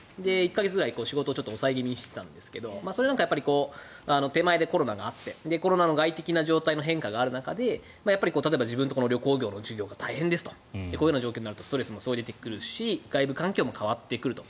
１か月ぐらい仕事を抑え気味にしていたんですけどそれは手前でコロナがあってコロナの外的な状況の変化がある中で例えば自分の旅行業の事業が大変でそうなるとストレスもあるし外部環境も変わってくると。